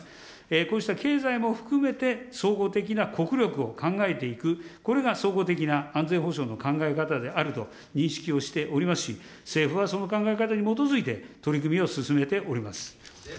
こうした経済も含めて総合的な国力を考えていく、これが総合的な安全保障の考え方であると認識をしておりますし、政府はその考え方に基づいて、取り組みを進めております。